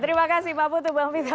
terima kasih pak putu bang vito